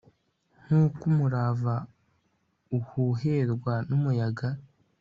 nk'uko umurama uhuherwa n'umuyaga